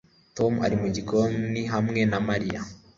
Tom ari mu gikoni hamwe na Mariya